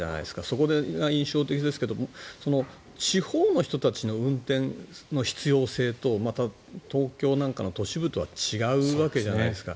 そこで印象的ですが地方の人たちの運転の必要性とまた東京なんかの都市部とは違うわけじゃないですか。